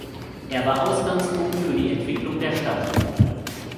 Er war Ausgangspunkt für die Entwicklung der Stadt.